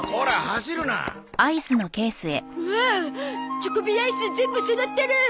チョコビアイス全部そろってる！